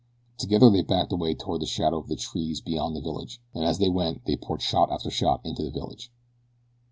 Together they backed away toward the shadow of the trees beyond the village and as they went they poured shot after shot into the village.